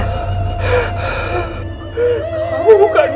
kamu bukan dewi